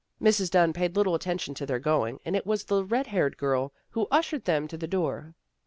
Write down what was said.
Mrs. Dunn paid little attention to their going, and it was the red haired girl who ushered them to the door.